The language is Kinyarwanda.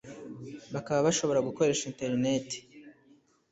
bakaba bashobora gukoresha internet